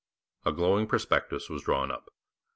A glowing prospectus was drawn up.